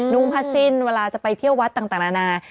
ลุงพระสิ้นเวลาจะไปเที่ยววัดต่างนานา